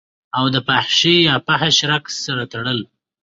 او دفحاشۍ يا فحش رقص سره تړل